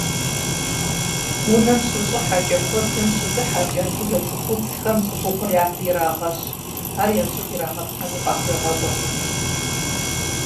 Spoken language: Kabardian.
Унэм щыщӀыхьэкӀэ, куэбжэм щыдыхьэкӀэ адыгэ цӀыхубзхэм цӀыхухъур япэ ирагъэщ, ар я щӀыб ирагъэплъэну къахуегъэкӀуркъым.